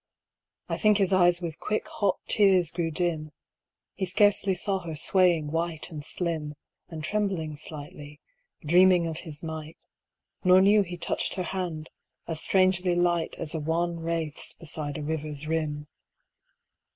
I think his eyes with quick hot tears grew dim; He scarcely saw her swaying white and slim, And trembling slightly, dreaming of his might, Nor knew he touched her hand, as strangely light As a wan wraith's beside a river's rim.